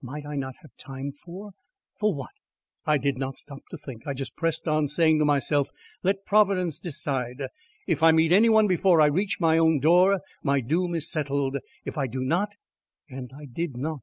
Might I not have time for for what? I did not stop to think; I just pressed on, saying to myself, "Let Providence decide. If I meet any one before I reach my own door, my doom is settled. If I do not " And I did not.